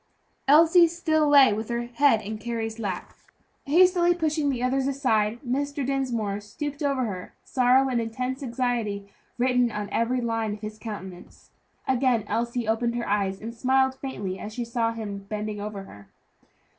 Elsie still lay with her head in Carry's lap. Hastily pushing the others aside, Mr. Dinsmore stooped over her, sorrow and intense anxiety written in every line of his countenance. Again Elsie opened her eyes, and smiled faintly as she saw him bending over her.